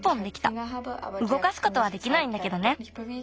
うごかすことはできないんだけどね。